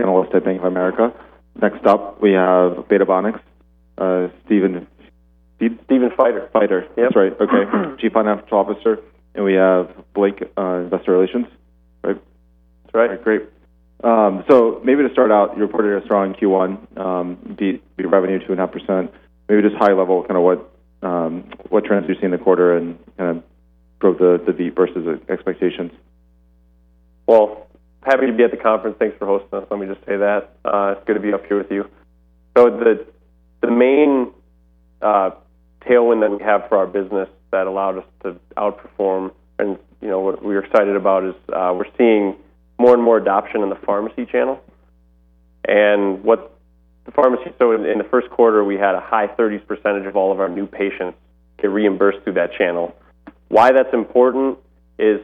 Analyst at Bank of America. Next up, we have Beta Bionics, Stephen. Stephen Feider. Feider. Yeah. That's right. Okay. Chief Financial Officer. We have Blake, investor relations, right? That's right. Great. Maybe to start out, you reported a strong Q1, beat your revenue 2.5%. Maybe just high-level what trends you're seeing in the quarter and drove the beat versus expectations. Well, happy to be at the conference. Thanks for hosting us. Let me just say that. It's good to be up here with you. The main tailwind that we have for our business that allowed us to outperform and, you know, what we're excited about is, we're seeing more and more adoption in the pharmacy channel. In the first quarter, we had a high 30s% of all of our new patients get reimbursed through that channel. Why that's important is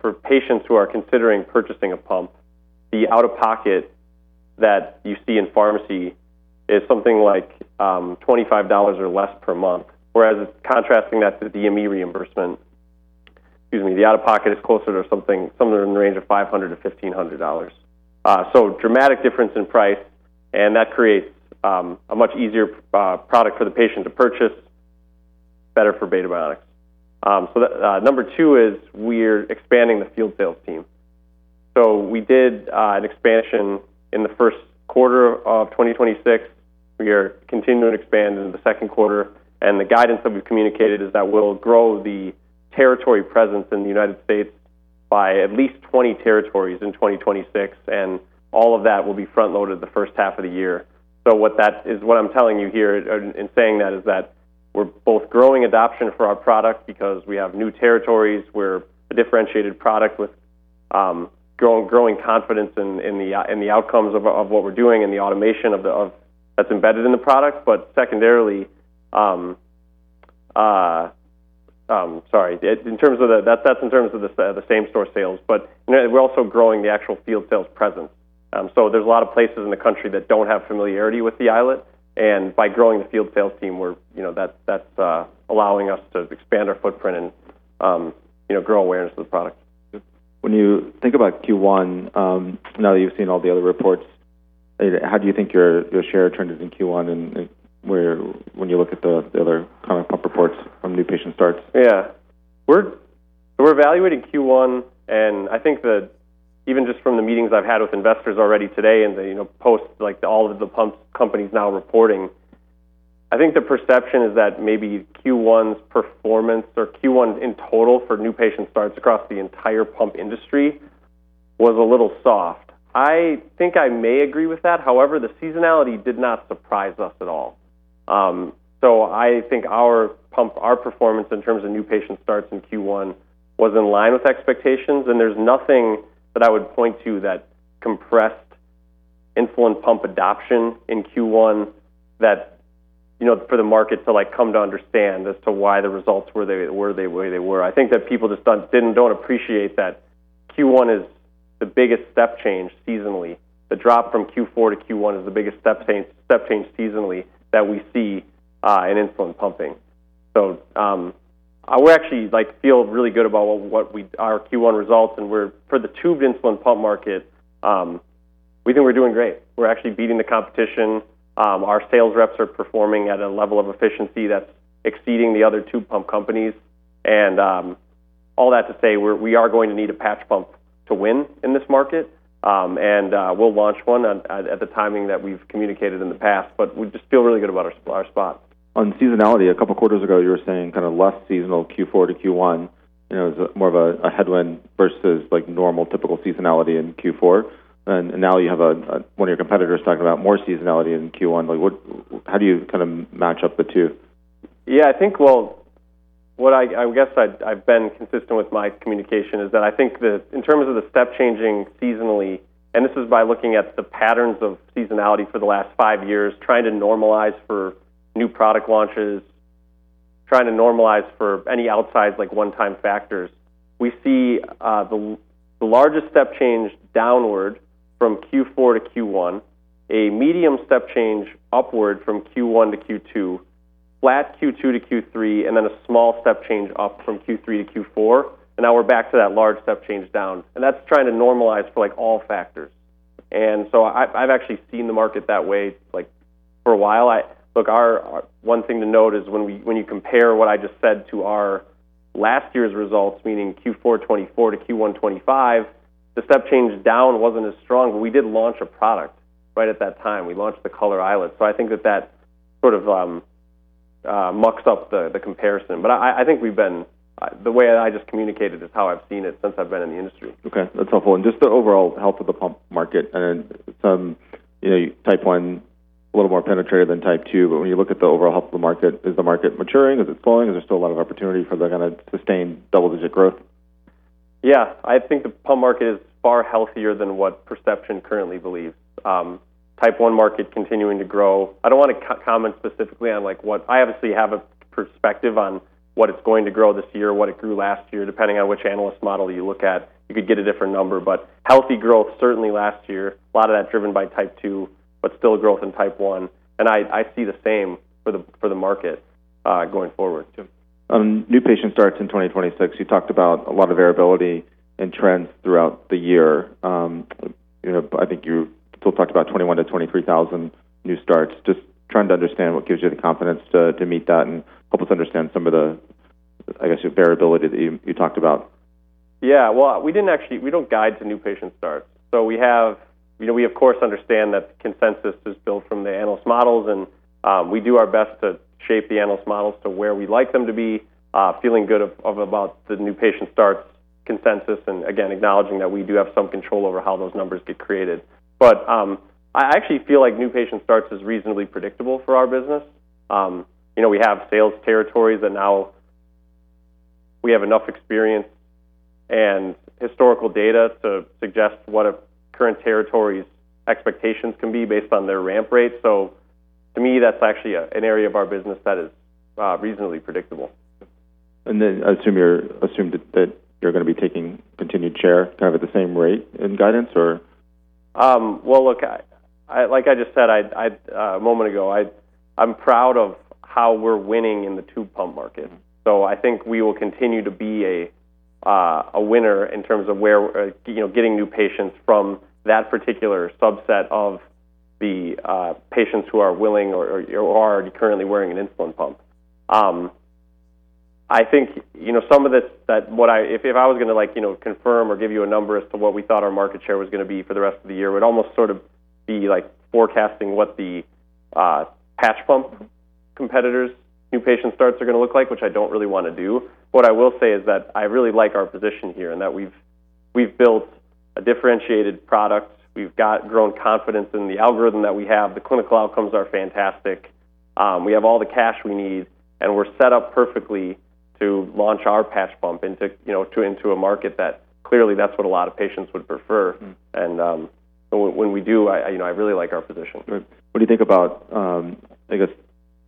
for patients who are considering purchasing a pump, the out-of-pocket that you see in pharmacy is something like $25 or less per month, whereas contrasting that to the DME reimbursement, excuse me, the out-of-pocket is closer to somewhere in the range of $500-$1,500. Dramatic difference in price, and that creates a much easier product for the patient to purchase, better for Beta Bionics. The number two is we're expanding the field sales team. We did an expansion in the first quarter of 2026. We are continuing to expand into the second quarter, and the guidance that we've communicated is that we'll grow the territory presence in the U.S. by at least 20 territories in 2026, and all of that will be front-loaded the first half of the year. What I'm telling you here in saying that is that we're both growing adoption for our product because we have new territories. We're a differentiated product with growing confidence in the outcomes of what we're doing and the automation that's embedded in the product. That's in terms of the same store sales. You know, we're also growing the actual field sales presence. There's a lot of places in the country that don't have familiarity with the iLet, and by growing the field sales team, we're, you know, that's allowing us to expand our footprint and, you know, grow awareness of the product. When you think about Q1, now that you've seen all the other reports, how do you think your share trends in Q1 and, like, when you look at the other kind of pump reports from new patient starts? We're evaluating Q1, and I think that even just from the meetings I've had with investors already today and the, you know, post, like, all of the pump companies now reporting, I think the perception is that maybe Q1's performance or Q1 in total for new patient starts across the entire pump industry was a little soft. I think I may agree with that. However, the seasonality did not surprise us at all. I think our pump, our performance in terms of new patient starts in Q1 was in line with expectations, and there's nothing that I would point to that compressed insulin pump adoption in Q1 that, you know, for the market to, like, come to understand as to why the results were they were. I think that people just don't appreciate that Q1 is the biggest step change seasonally. The drop from Q4 to Q1 is the biggest step change seasonally that we see in insulin pumping. We actually, like, feel really good about our Q1 results, and for the tubed insulin pump market, we think we're doing great. We're actually beating the competition. Our sales reps are performing at a level of efficiency that's exceeding the other tubed pump companies and all that to say we are going to need a patch pump to win in this market, and we'll launch one at the timing that we've communicated in the past. We just feel really good about our spot. On seasonality, a couple of quarters ago, you were saying kind of less seasonal Q4 to Q1, you know, is more of a headwind versus like normal typical seasonality in Q4. Now you have one of your competitors talking about more seasonality in Q1. Like how do you kind of match up the two? Yeah, I think well, what I guess I've been consistent with my communication is that I think that in terms of the step changing seasonally, and this is by looking at the patterns of seasonality for the last five years, trying to normalize for new product launches, trying to normalize for any outsized like one-time factors. We see the largest step change downward from Q4 to Q1, a medium step change upward from Q1 to Q2, flat Q2 to Q3, a small step change up from Q3 to Q4. Now we're back to that large step change down, and that's trying to normalize for like all factors. I've actually seen the market that way, like, for a while. Look, one thing to note is when you compare what I just said to our last year's results, meaning Q4 2024 to Q1 2025, the step change down wasn't as strong, we did launch a product right at that time. We launched the Color iLet. I think that that sort of mucks up the comparison. The way that I just communicated is how I've seen it since I've been in the industry. Okay. That's helpful. Just the overall health of the pump market and some, you know, Type 1 a little more penetrative than Type 2. When you look at the overall health of the market, is the market maturing? Is it slowing? Is there still a lot of opportunity for the kind of sustained double-digit growth? I think the pump market is far healthier than what perception currently believes. Type 1 market continuing to grow. I don't wanna co-comment specifically on like what I obviously have a perspective on what it's going to grow this year, what it grew last year. Depending on which analyst model you look at, you could get a different number. Healthy growth certainly last year, a lot of that driven by Type 2, but still growth in Type 1. I see the same for the market going forward. New patient starts in 2026. You talked about a lot of variability and trends throughout the year. You know, I think you still talked about 21,000-23,000 new starts. Just trying to understand what gives you the confidence to meet that and help us understand some of the, I guess, the variability that you talked about. Well, we didn't we don't guide to new patient starts. We have You know, we, of course, understand that the consensus is built from the analyst models, we do our best to shape the analyst models to where we'd like them to be, feeling good of about the new patient starts consensus, again, acknowledging that we do have some control over how those numbers get created. I actually feel like new patient starts is reasonably predictable for our business. You know, we have sales territories, now we have enough experience and historical data to suggest what a current territory's expectations can be based on their ramp rates. To me, that's actually an area of our business that is reasonably predictable. I assume that you're gonna be taking continued share kind of at the same rate in guidance, or? Well, look, I like I just said, I a moment ago, I'm proud of how we're winning in the tubed pump market. I think we will continue to be a winner in terms of where, you know, getting new patients from that particular subset of the patients who are willing or are currently wearing an insulin pump. I think, you know, some of it that if I was gonna like, you know, confirm or give you a number as to what we thought our market share was gonna be for the rest of the year, it would almost sort of be like forecasting what the patch pump competitors' new patient starts are gonna look like, which I don't really wanna do. What I will say is that I really like our position here, and that we've built a differentiated product. We've got grown confidence in the algorithm that we have. The clinical outcomes are fantastic. We have all the cash we need, and we're set up perfectly to launch our patch pump into, you know, into a market that clearly that's what a lot of patients would prefer. When we do, I, you know, I really like our position. Right. What do you think about, I guess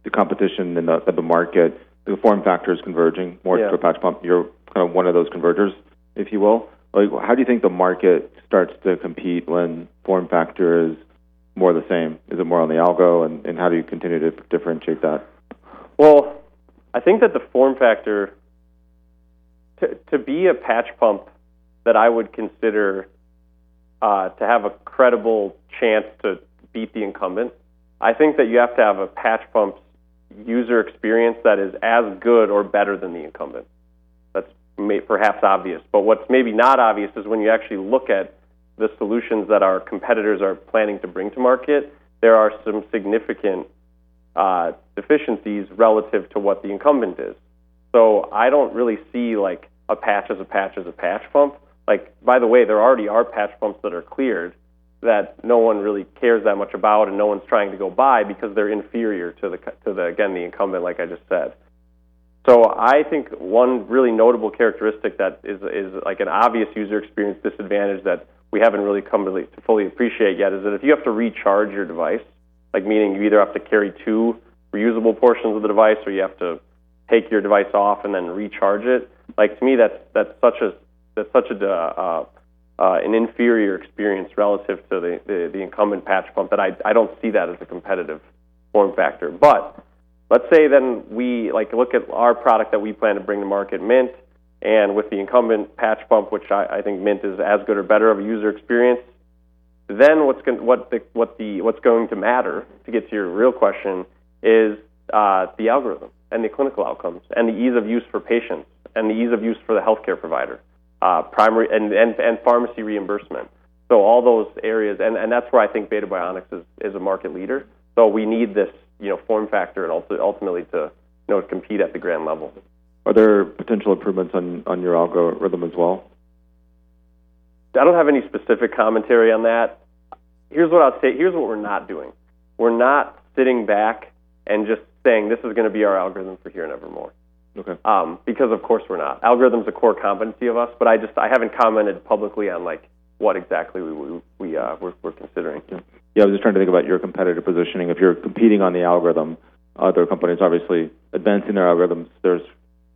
the competition at the market, the form factor is converging. Yeah more to a patch pump. You're kind of one of those converters, if you will. How do you think the market starts to compete when form factor is more the same? Is it more on the algo, and how do you continue to differentiate that? Well, I think that the form factor. To be a patch pump that I would consider to have a credible chance to beat the incumbent, I think that you have to have a patch pump user experience that is as good or better than the incumbent. That's perhaps obvious. What's maybe not obvious is when you actually look at the solutions that our competitors are planning to bring to market, there are some significant deficiencies relative to what the incumbent is. I don't really see, like, a patch is a patch is a patch pump. Like, by the way, there already are patch pumps that are cleared that no one really cares that much about, and no one's trying to go buy because they're inferior to the incumbent, like I just said. I think one really notable characteristic that is, like, an obvious user experience disadvantage that we haven't really come to fully appreciate yet is that if you have to recharge your device, like, meaning you either have to carry two reusable portions of the device, or you have to take your device off and then recharge it, like, to me, that's such an inferior experience relative to the incumbent patch pump that I don't see that as a competitive form factor. Let's say we, like, look at our product that we plan to bring to market, Mint, and with the incumbent patch pump, which I think Mint is as good or better of a user experience. What's going to matter, to get to your real question, is the algorithm and the clinical outcomes, and the ease of use for patients, and the ease of use for the healthcare provider, primary and pharmacy reimbursement. All those areas. That's where I think Beta Bionics is a market leader. We need this, you know, form factor and also ultimately to, you know, compete at the grand level. Are there potential improvements on your algorithm as well? I don't have any specific commentary on that. Here's what I'll say. Here's what we're not doing. We're not sitting back and just saying, "This is gonna be our algorithm for here and evermore. Okay. Because of course we're not. Algorithm's a core competency of us, but I haven't commented publicly on, like, what exactly we're considering. Yeah. I'm just trying to think about your competitive positioning. If you're competing on the algorithm, other companies obviously advancing their algorithms,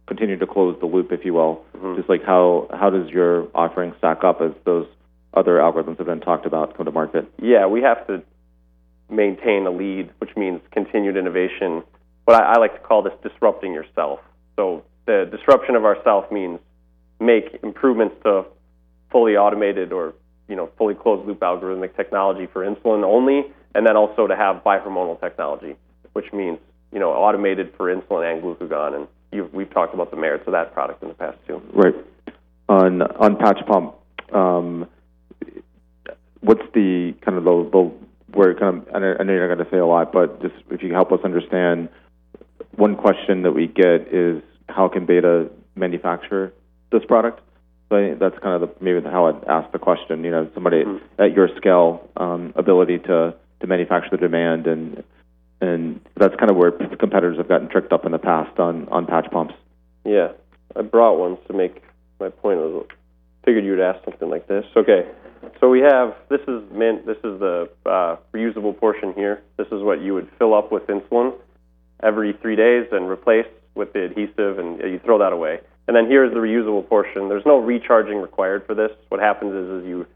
continuing to close the loop, if you will. Just like how does your offering stack up as those other algorithms have been talked about come to market? Yeah. We have to maintain a lead, which means continued innovation. I like to call this disrupting yourself. The disruption of ourself means make improvements to fully automated or, you know, fully closed loop algorithmic technology for insulin only, and then also to have bi-hormonal technology, which means, you know, automated for insulin and glucagon. We've talked about the merits of that product in the past too. Right. On patch pump, I know you're not gonna say a lot, but just if you can help us understand, one question that we get is: How can Beta manufacture this product? That's kind of maybe how I'd ask the question. You know. at your scale, ability to manufacture the demand and that's kind of where competitors have gotten tripped up in the past on patch pumps. I brought one to make my point a little. Figured you'd ask something like this. Okay. We have this is Mint. This is the reusable portion here. This is what you would fill up with insulin every three days, then replace with the adhesive, and you throw that away. Here is the reusable portion. There's no recharging required for this. What happens is, you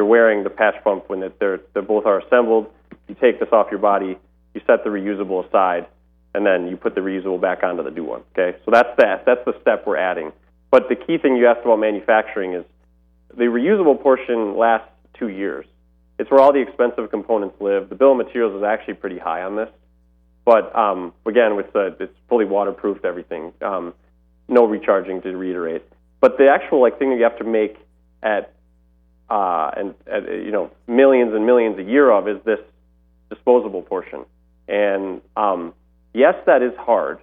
are wearing the patch pump when they both are assembled. You take this off your body, you set the reusable aside, and then you put the reusable back onto the new one. Okay? That's that. That's the step we're adding. The key thing you asked about manufacturing is the reusable portion lasts two years. It's where all the expensive components live. The bill of materials is actually pretty high on this. It's fully waterproofed, everything. No recharging, to reiterate. The actual, like, thing that you have to make at, you know, millions and millions a year of is this disposable portion. Yes, that is hard,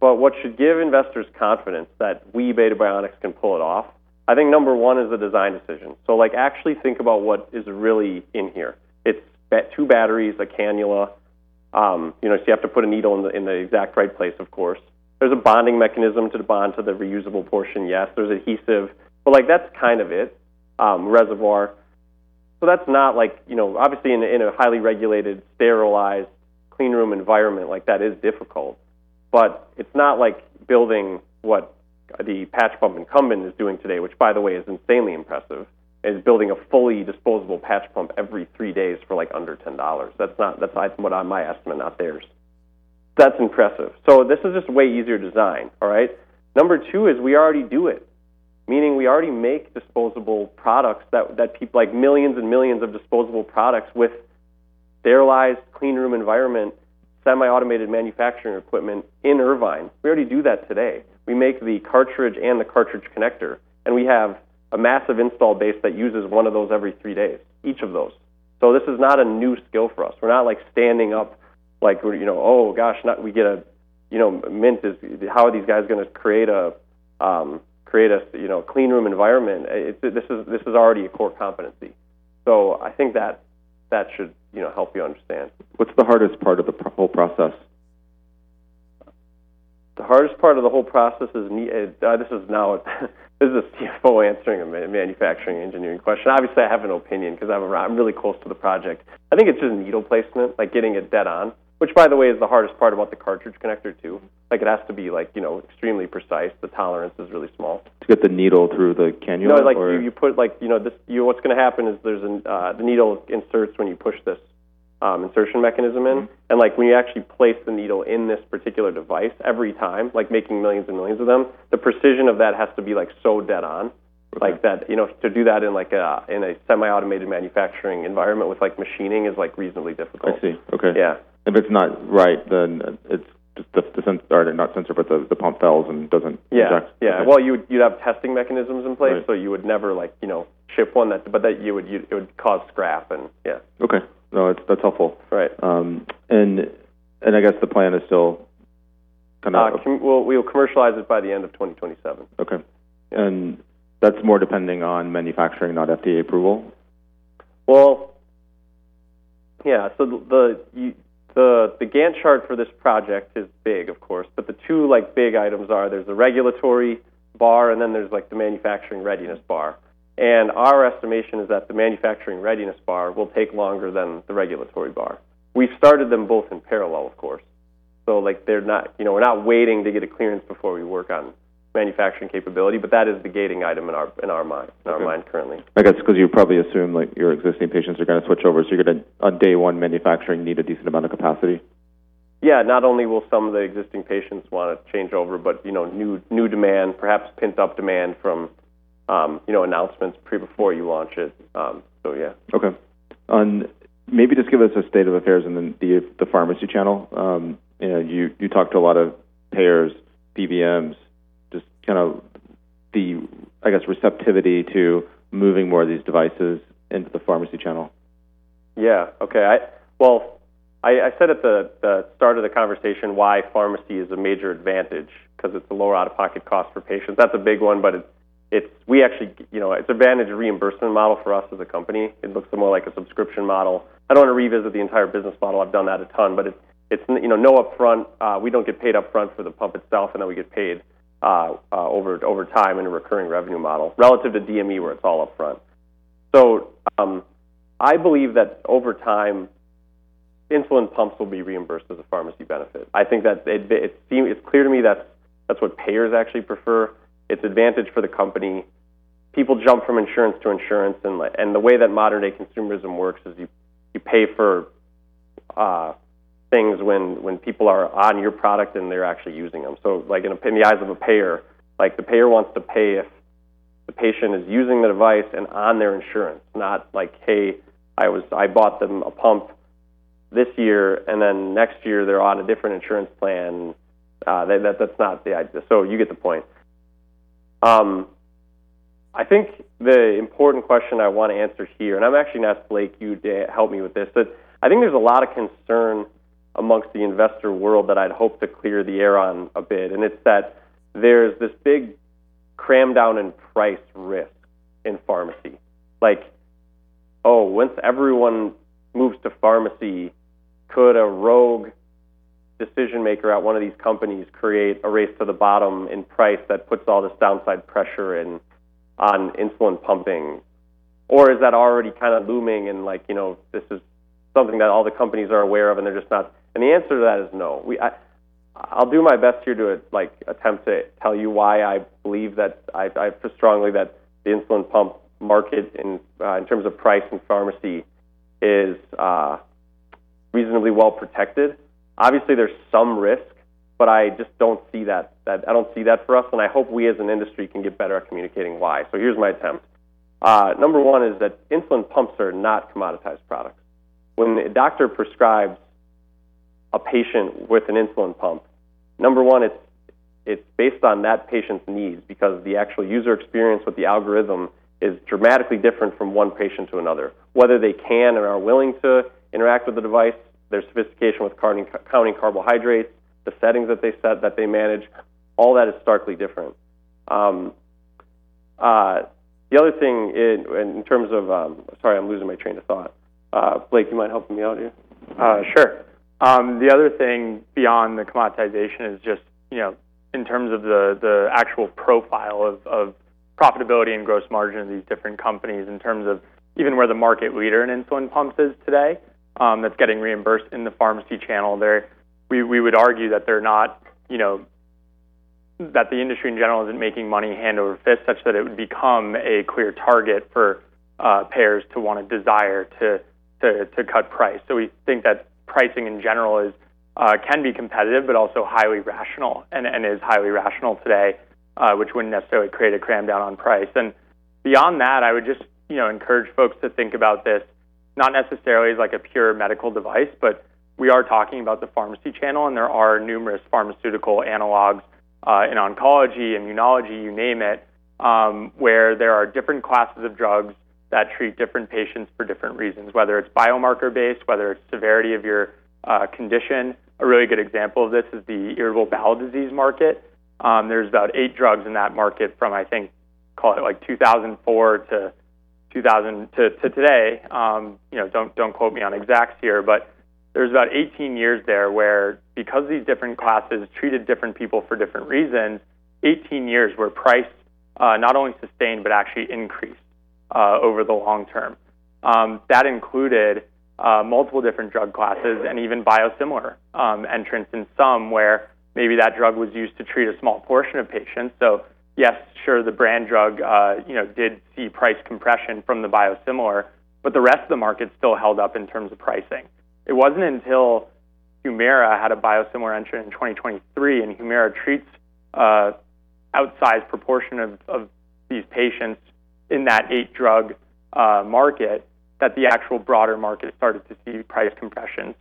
but what should give investors' confidence that we, Beta Bionics, can pull it off, I think number one is the design decision. Like, actually think about what is really in here. It's two batteries, a cannula. You know, so you have to put a needle in the exact right place, of course. There's a bonding mechanism to bond to the reusable portion, yes. There's adhesive. Like, that's kind of it. Reservoir. That's not like, you know, obviously in a highly regulated, sterilized, clean room environment, like, that is difficult. It's not like building what the patch pump incumbent is doing today, which by the way is insanely impressive, is building a fully disposable patch pump every three days for, like, under $10. That's on my estimate, not theirs. That's impressive. This is just a way easier design, all right? Number 2 is we already do it, meaning we already make disposable products that, like, millions and millions of disposable products with sterilized clean room environment, semi-automated manufacturing equipment in Irvine. We already do that today. We make the cartridge and the cartridge connector, and we have a massive install base that uses one of those every three days, each of those. This is not a new skill for us. We're not, like, standing up, like, you know, "How are these guys gonna create a, you know, clean room environment?" This is already a core competency. I think that should, you know, help you understand. What's the hardest part of the whole process? The hardest part of the whole process is this is a CFO answering a manufacturing engineering question. Obviously, I have an opinion 'cause I'm really close to the project. I think it's just needle placement, like getting it dead on, which by the way is the hardest part about the cartridge connector too. Like, it has to be, like, you know, extremely precise. The tolerance is really small. To get the needle through the cannula. No, like you put, like, you know, what's gonna happen is the needle inserts when you push this insertion mechanism in. Like, when you actually place the needle in this particular device every time, like making millions and millions of them, the precision of that has to be, like, so dead on. Okay. Like, that, you know, to do that in like a, in a semi-automated manufacturing environment with, like, machining is, like, reasonably difficult. I see. Okay. Yeah. If it's not right, then the pump fails and doesn't inject. Yeah. Yeah. Well, you'd have testing mechanisms in place. Right. You would never, like, you know, ship one but that it would cause scrap and Yeah. Okay. No, that's helpful. Right. I guess the plan is still. We'll commercialize it by the end of 2027. Okay. That's more depending on manufacturing, not FDA approval? Well, yeah. The Gantt chart for this project is big, of course, but the two, like, big items are there's the regulatory bar and then there's, like, the manufacturing readiness bar. Our estimation is that the manufacturing readiness bar will take longer than the regulatory bar. We've started them both in parallel, of course. Like, they're not, you know, we're not waiting to get a clearance before we work on manufacturing capability, but that is the gating item in our mind currently. I guess 'cause you probably assume, like, your existing patients are gonna switch over, so you're gonna on day one manufacturing need a decent amount of capacity. Yeah. Not only will some of the existing patients wanna change over, but, you know, new demand, perhaps pent-up demand from, you know, announcements before you launch it. Yeah. Okay. Maybe just give us a state of affairs in the pharmacy channel. You know, you talk to a lot of payers, PBMs, just kind of the, I guess, receptivity to moving more of these devices into the pharmacy channel. Yeah. Okay. Well, I said at the start of the conversation why pharmacy is a major advantage, 'cause it's a lower out-of-pocket cost for patients. That's a big one, we actually, you know, it's advantage reimbursement model for us as a company. It looks more like a subscription model. I don't want to revisit the entire business model. I've done that a ton. It's, you know, no upfront. We don't get paid upfront for the pump itself, and then we get paid over time in a recurring revenue model relative to DME, where it's all upfront. I believe that over time, insulin pumps will be reimbursed as a pharmacy benefit. I think that it's clear to me that's what payers actually prefer. It's advantage for the company. People jump from insurance to insurance and the way that modern-day consumerism works is you pay for things when people are on your product and they're actually using them. Like, in the eyes of a payer, like, the payer wants to pay if the patient is using the device and, on their insurance, not like, "Hey, I bought them a pump this year, and then next year they're on a different insurance plan." That's not the idea. You get the point. I think the important question I want to answer here, and I'm actually going to ask Blake to help me with this, but I think there's a lot of concern amongst the investor world that I'd hope to clear the air on a bit, and it's that there's this big cram down in price risk in pharmacy. Like, oh, once everyone moves to pharmacy, could a rogue decision maker at one of these companies create a race to the bottom in price that puts all this downside pressure in on insulin pumping? Or is that already kind of looming, you know, this is something that all the companies are aware of and they're just not? The answer to that is no. I'll do my best here to like attempt to tell you why I believe that I feel strongly that the insulin pump market in terms of price and pharmacy is reasonably well protected. There's some risk. I just don't see that. I don't see that for us. I hope we as an industry can get better at communicating why. Here's my attempt. Number 1 is that insulin pumps are not commoditized products. When a doctor prescribes a patient with an insulin pump, Number 1, it's based on that patient's needs because the actual user experience with the algorithm is dramatically different from one patient to another. Whether they can or are willing to interact with the device, their sophistication with counting carbohydrates, the settings that they set that they manage, all that is starkly different. The other thing in terms of, sorry, I'm losing my train of thought. Blake, you mind helping me out here? Sure. The other thing beyond the commoditization is just, you know, in terms of the actual profile of profitability and gross margin of these different companies in terms of even where the market leader in insulin pumps is today that's getting reimbursed in the pharmacy channel there. We would argue that they're not, you know, that the industry in general isn't making money hand over fist such that it would become a clear target for payers to want to desire to cut price. We think that pricing in general can be competitive, but also highly rational and is highly rational today, which wouldn't necessarily create a cram down on price. Beyond that, I would just, you know, encourage folks to think about this not necessarily as like a pure medical device, but we are talking about the pharmacy channel and there are numerous pharmaceutical analogs in oncology, immunology, you name it, where there are different classes of drugs that treat different patients for different reasons, whether it's biomarker based, whether it's severity of your condition. A really good example of this is the inflammatory bowel disease market. There's about eight drugs in that market from, I think, call it like 2004 to today. You know, don't quote me on exacts here, but there's about 18 years there where because these different classes treated different people for different reasons, 18 years where price not only sustained, but actually increased over the long term. That included multiple different drug classes and even biosimilar entrants in some where maybe that drug was used to treat a small portion of patients. Yes, sure, the brand drug, you know, did see price compression from the biosimilar, but the rest of the market still held up in terms of pricing. It wasn't until HUMIRA had a biosimilar entrant in 2023 and HUMIRA treats outsized proportion of these patients in that eight drug market that the actual broader market started to see price compression.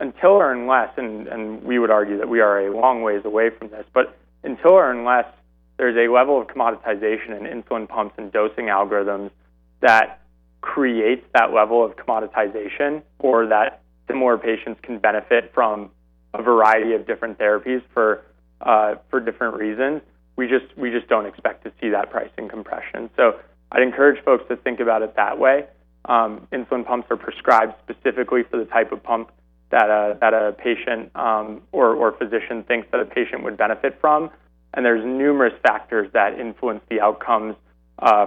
Until or unless, and we would argue that we are a long ways away from this, but until or unless there's a level of commoditization in insulin pumps and dosing algorithms that creates that level of commoditization or that the more patients can benefit from a variety of different therapies for different reasons, we just don't expect to see that pricing compression. I'd encourage folks to think about it that way. Insulin pumps are prescribed specifically for the type of pump that a patient or physician thinks that a patient would benefit from. There's numerous factors that influence the outcomes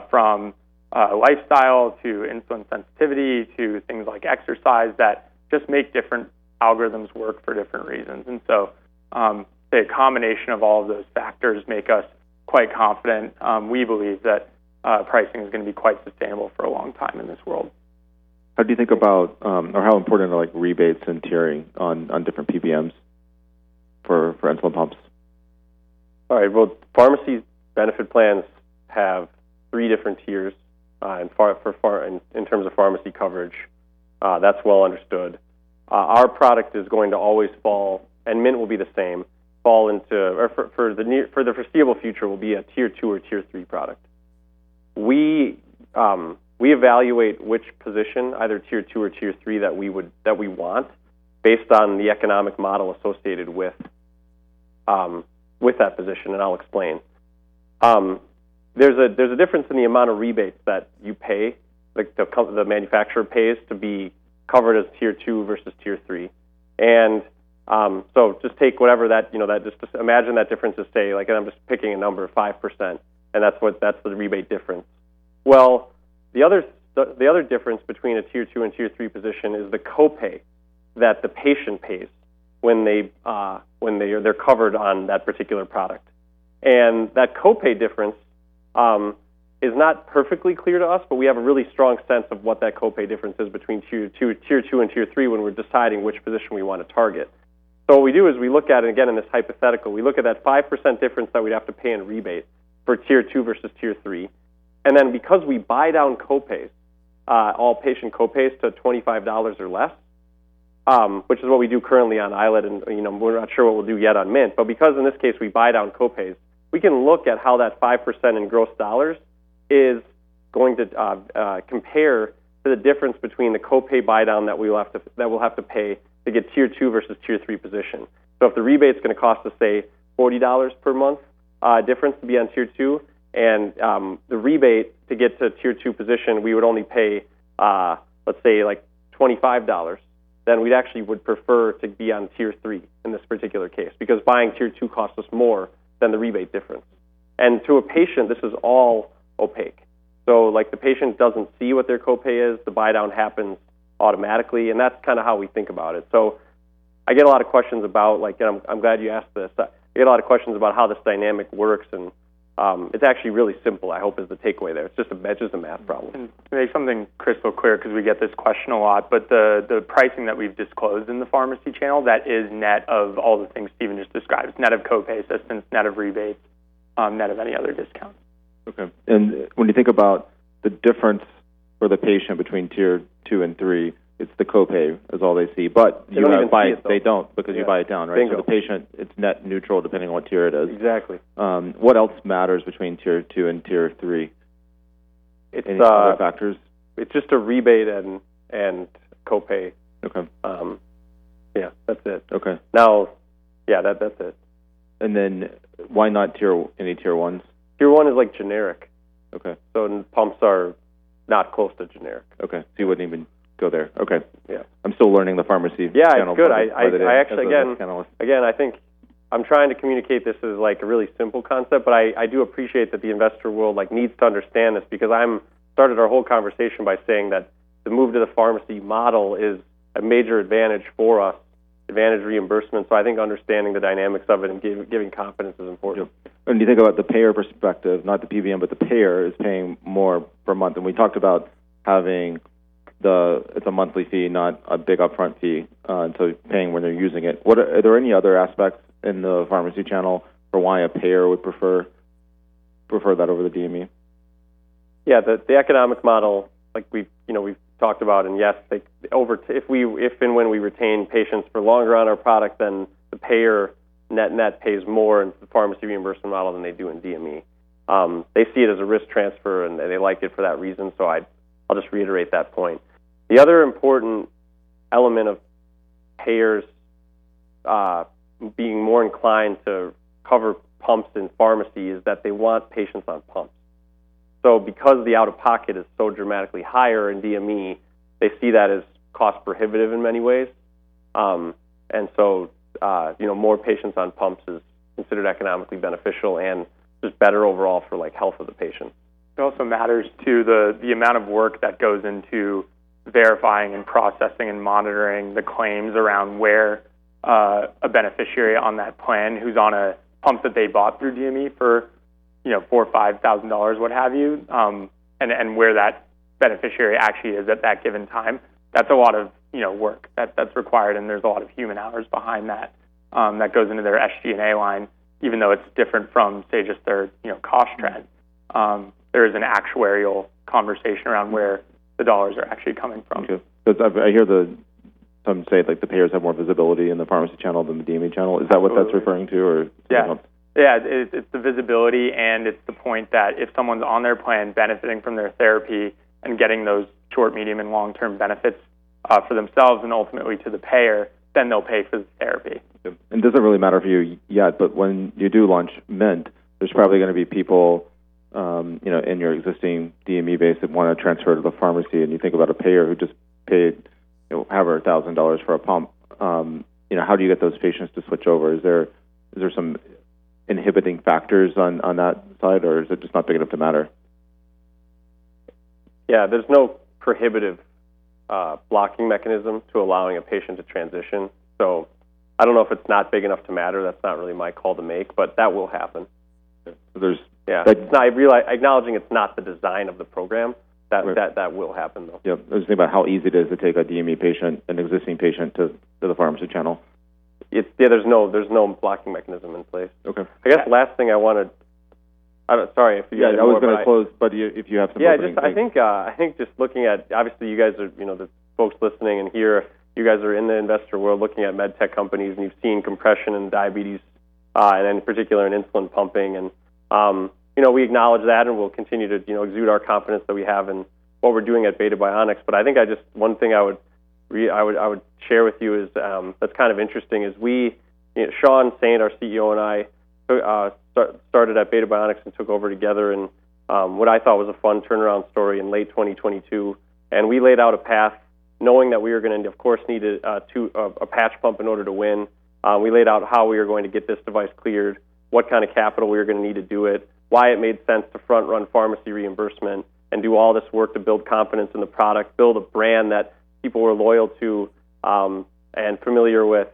from lifestyle to insulin sensitivity to things like exercise that just make different algorithms work for different reasons. The combination of all of those factors make us quite confident. We believe that pricing is going to be quite sustainable for a long time in this world. How do you think about or how important are like rebates and tiering on different PBMs for insulin pumps? All right. Well, pharmacy benefit plans have three different tiers in terms of pharmacy coverage. That's well understood. Our product is going to always fall, and Mint will be the same, fall into or for the foreseeable future will be a Tier 2 or Tier 3 product. We evaluate which position, either Tier 2 or Tier 3, that we want based on the economic model associated with that position. I'll explain. There's a difference in the amount of rebates that you pay, like the manufacturer pays to be covered as Tier 2 versus Tier 3. So just take whatever that, you know, just imagine that difference is, say, like I'm just picking a number, 5%. That's the rebate difference. Well, the other difference between a Tier 2 and Tier 3 position is the copay that the patient pays when they're covered on that particular product. That copay difference is not perfectly clear to us, but we have a really strong sense of what that copay difference is between Tier 2 and Tier 3 when we're deciding which position we want to target. What we do is we look at it again in this hypothetical. We look at that 5% difference that we'd have to pay in rebate for Tier 2 versus Tier 3. Because we buy down copays, all patient copays to $25 or less, which is what we do currently on iLet. You know, we're not sure what we'll do yet on Mint. Because in this case we buy down copays, we can look at how that 5% in gross dollars is going to compare to the difference between the copay buy down that we'll have to pay to get Tier 2 versus Tier 3 position. If the rebate is going to cost us, say, $40 per month difference to be on Tier 2 and the rebate to get to Tier 2 position, we would only pay, let's say, like $25. We actually would prefer to be on Tier 3 in this particular case, because buying Tier 2 costs us more than the rebate difference. To a patient, this is all opaque. Like, the patient doesn't see what their copay is. The buy-down happens automatically, and that's kinda how we think about it. I get a lot of questions about, and I'm glad you asked this. I get a lot of questions about how this dynamic works and, it's actually really simple, I hope is the takeaway there. That's just a math problem. To make something crystal clear, 'cause we get this question a lot, but the pricing that we've disclosed in the pharmacy channel, that is net of all the things Stephen just described. It's net of copay assistance, net of rebates, net of any other discounts. Okay. When you think about the difference for the patient between Tier 2 and Tier 3, it's the copay is all they see. They don't even see it. You buy it, they don't because you buy it down, right? Yeah. They don't. The patient, it's net neutral depending on what tier it is. Exactly. What else matters between Tier 2 and Tier 3? It's, uh- Any other factors? It's just a rebate and copay. Okay. Yeah, that's it. Okay. Yeah, that's it. Why not any Tier 1 Tier 1 is, like, generic. Okay. Pumps are not close to generic. Okay. You wouldn't even go there? Okay. Yeah. I'm still learning the pharmacy channel. Yeah, it's good. It is. That's what I get as an analyst. I actually, again, I think I'm trying to communicate this as, like, a really simple concept, but I do appreciate that the investor world, like, needs to understand this because I started our whole conversation by saying that the move to the pharmacy model is a major advantage for us, advantage reimbursement. I think understanding the dynamics of it and giving confidence is important. Yeah. You think about the payer perspective, not the PBM, but the payer is paying more per month. We talked about having it's a monthly fee, not a big upfront fee, until you're paying when they're using it. Are there any other aspects in the pharmacy channel for why a payer would prefer that over the DME? The economic model, like we've, you know, we've talked about, yes, like if and when we retain patients for longer on our product, then the payer net pays more in the pharmacy reimbursement model than they do in DME. They see it as a risk transfer, and they like it for that reason; I'll just reiterate that point. The other important element of payers being more inclined to cover pumps in pharmacy is that they want patients on pumps. Because the out-of-pocket is so dramatically higher in DME, they see that as cost-prohibitive in many ways. You know, more patients on pumps is considered economically beneficial and just better overall for, like, health of the patient. It also matters to the amount of work that goes into verifying and processing and monitoring the claims around where a beneficiary on that plan who's on a pump that they bought through DME for, you know, $4,000 or $5,000, what have you, and where that beneficiary actually is at that given time. That's a lot of, you know, work that's required, and there's a lot of human hours behind that goes into their SG&A line, even though it's different from, say, just there, you know, cost trend. There is an actuarial conversation around where the dollars are actually coming from. Okay. I hear some say, like, the payers have more visibility in the pharmacy channel than the DME channel. Is that what that's referring to? Yeah. Yeah. It's the visibility, and it's the point that if someone's on their plan benefiting from their therapy and getting those short, medium, and long-term benefits for themselves and ultimately to the payer, then they'll pay for the therapy. Doesn't really matter for you yet, but when you do launch Mint, there's probably gonna be people, you know, in your existing DME base that wanna transfer to the pharmacy. You think about a payer who just paid, you know, however, $1,000 for a pump. You know, how do you get those patients to switch over? Is there some inhibiting factors on that side, or is it just not big enough to matter? Yeah. There's no prohibitive blocking mechanism to allowing a patient to transition. I don't know if it's not big enough to matter. That's not really my call to make, but that will happen. There's- Yeah. No. Acknowledging it's not the design of the program. Right. That will happen, though. Yeah. I was thinking about how easy it is to take a DME patient, an existing patient, to the pharmacy channel. Yeah, there's no blocking mechanism in place. Okay. I guess the last thing I wanted I'm sorry if you guys want to wrap. Yeah, I was gonna close, but if you have some opening things. Yeah, I think, you know, the folks listening in here, you guys are in the investor world looking at med tech companies, and you've seen compression in diabetes, and in particular in insulin pumping. You know, we acknowledge that and we'll continue to, you know, exude our confidence that we have in what we're doing at Beta Bionics. I think one thing I would share with you is that's kind of interesting is we, you know, Sean Saint, our CEO, and I started at Beta Bionics and took over together in what I thought was a fun turnaround story in late 2022. We laid out a path knowing that we were gonna, of course, need a patch pump in order to win. We laid out how we were going to get this device cleared, what kind of capital we were gonna need to do it, why it made sense to front-run pharmacy reimbursement and do all this work to build confidence in the product, build a brand that people were loyal to and familiar with.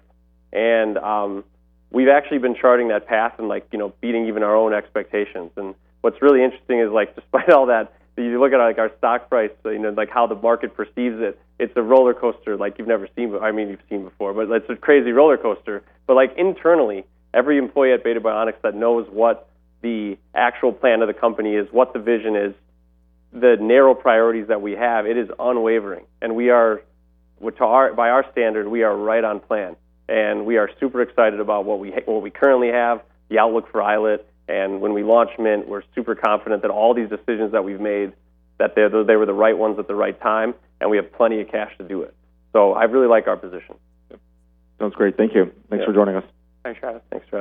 We've actually been charting that path, and, like, you know, beating even our own expectations. What's really interesting is, like, despite all that, you look at, like, our stock price, you know, like, how the market perceives it's a roller coaster like you've never seen. I mean, you've seen before, but it's a crazy roller coaster. Like, internally, every employee at Beta Bionics that knows what the actual plan of the company is, what the vision is, the narrow priorities that we have, it is unwavering. We are, by our standard, we are right on plan. We are super excited about what we currently have, the outlook for iLet. When we launch Mint, we're super confident that all these decisions that we've made, that they were the right ones at the right time, and we have plenty of cash to do it. I really like our position. Yep. Sounds great. Thank you. Yeah. Thanks for joining us. Thanks.